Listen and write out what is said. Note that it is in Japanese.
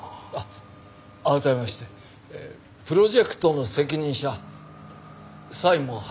改めましてプロジェクトの責任者柴門博士です。